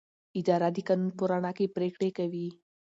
اداره د قانون په رڼا کې پریکړې کوي.